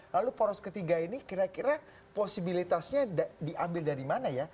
lalu poros ketiga ini kira kira posibilitasnya diambil dari mana ya